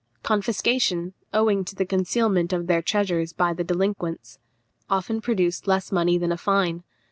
Confiscation, owing to the concealment of their treasures by the delinquents, often produced less money than a fine.